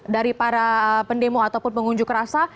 dari para pendemo ataupun pengunjuk rasa